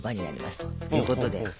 ということで。